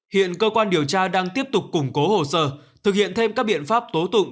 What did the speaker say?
hiện cơ quan điều tra đang tiếp tục củng cố hồ sơ thực hiện thêm các biện pháp tố tụng